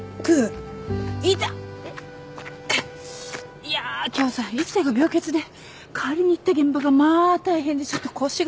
いやあ今日さ一星が病欠で代わりに行った現場がまあ大変でちょっと腰が。